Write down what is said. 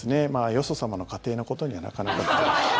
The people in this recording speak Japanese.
よそ様の家庭のことにはなかなか。